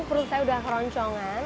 perut saya sudah roncongan